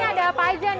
di sini ada apa aja nih